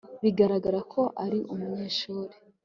bigaragara ko ari umunyeshuri